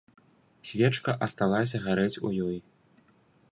Свечка асталася гарэць у ёй.